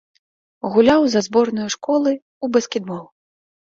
Гуляў за зборную школы ў баскетбол.